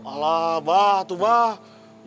alah mbak itu mbak